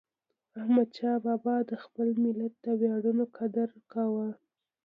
احمدشاه بابا د خپل ملت د ویاړونو قدر کاوه.